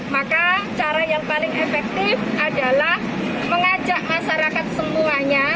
maka cara yang paling efektif adalah mengajak masyarakat semuanya